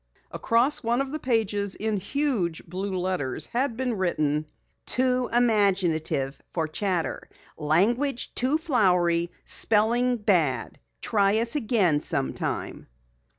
Across one of the pages in huge blue letters had been written: "Too imaginative for Chatter. Language too flowery. Spelling bad. Try us again sometime."